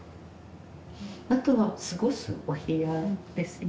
あとは過ごすお部屋ですね。